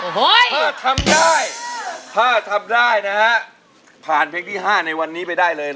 ถ้าทำได้ถ้าทำได้นะฮะผ่านเพลงที่๕ในวันนี้ไปได้เลย